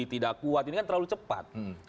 tidak kuat ini kan terlalu cepat